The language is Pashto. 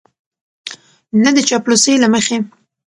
نه د چاپلوسۍ له مخې